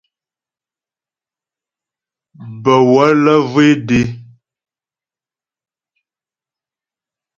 Bə̀ wələ zhwé dé.